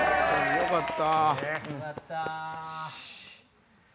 よかった。